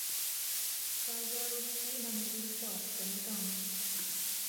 Та я росі на неї впасти не дам!